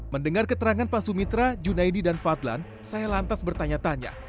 mendengar keterangan pak sumitra junaidi dan fadlan saya lantas bertanya tanya